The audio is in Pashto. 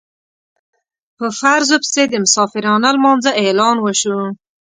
په فرضو پسې د مسافرانه لمانځه اعلان وشو.